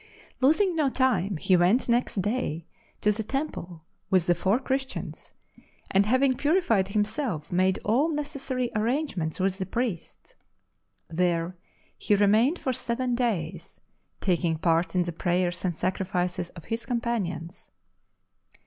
Losing no time, he went the next day to the Temple with the four Christians, and having purified himself, made 7 • LIFE OF ST. PAUL 98 all necessary arrangements with the priests. There he remained for seven days, taking part in the prayers and sacrifices of his companions.